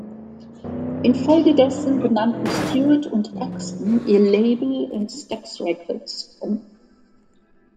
Infolgedessen benannten Stewart und Axton ihr Label in Stax Records um.